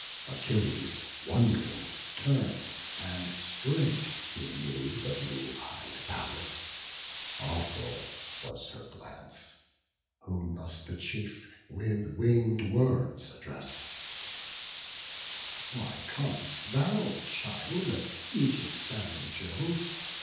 Achilles, wond'ring, turn'd, and straight he knew The blue eyed Pallas; awful was her glance; Whom thus the chief with winged words address'd: "Why com'st thou, child of aegis bearing Jove?